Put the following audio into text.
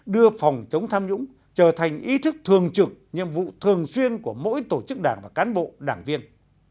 đưa phòng chống tham nhũng trở thành ý thức thường trực nhiệm vụ thường xuyên của mỗi tổ chức đảng và cán bộ đảng viên